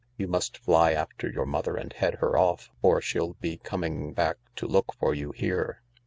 You must fly after your mother and head her off, or she'll be coming back to look for you here.